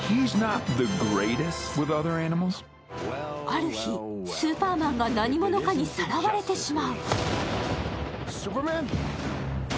ある日、スーパーマンが何者かにさらわれてしまう。